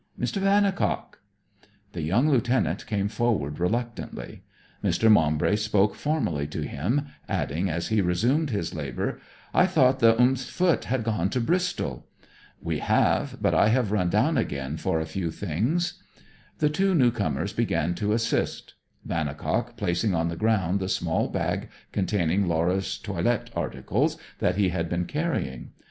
Mr. Vannicock!' The young lieutenant came forward reluctantly. Mr. Maumbry spoke formally to him, adding as he resumed his labour, 'I thought the st Foot had gone to Bristol.' 'We have. But I have run down again for a few things.' The two newcomers began to assist, Vannicock placing on the ground the small bag containing Laura's toilet articles that he had been carrying.